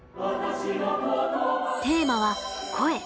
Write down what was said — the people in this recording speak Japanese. テーマは「声」。